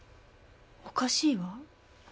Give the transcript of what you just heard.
おかしいわ。